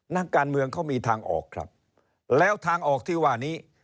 นักการเมืองเขามีทางออกครับแล้วทางออกที่ว่านี้